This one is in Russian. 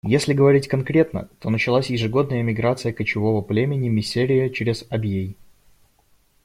Если говорить конкретно, то началась ежегодная миграция кочевого племени миссерия через Абьей.